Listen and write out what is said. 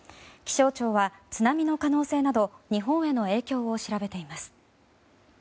気象庁は津波の可能性など日本への影響を調べています。